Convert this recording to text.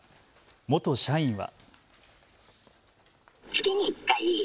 元社員は。